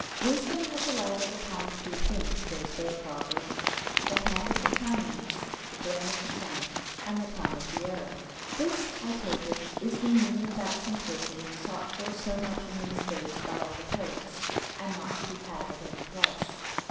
"Wisdom has alighted upon three things," goes their proverb; "the hand of the Chinese, the brain of the Frank, and the tongue of the Arab." This, I take it, is the meaning of that simplicity sought for so much in these days by all the poets, and not to be had at any price.